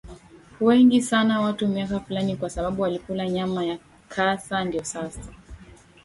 wengi sana watu miaka Fulani kwa sababu walikula nyama ya kasa Ndio sasa